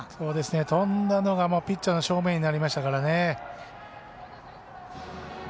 飛んだのがピッチャーの正面になりました。